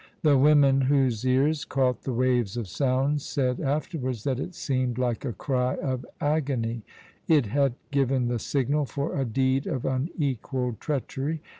The women whose ears caught the waves of sound said afterwards that it seemed like a cry of agony it had given the signal for a deed of unequalled treachery.